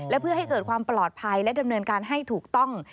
และเพื่อให้เกิดความปลอดภัยและดำเนินการให้ถูกต้อง